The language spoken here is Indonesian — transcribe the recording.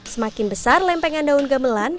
semakin besar lempengan daun gamelan